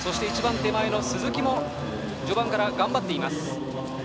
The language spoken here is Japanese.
鈴木も序盤から頑張っています。